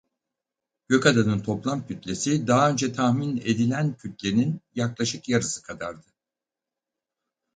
Gökadanın toplam kütlesi daha önce tahmin edilen kütlenin yaklaşık yarısı kadardı.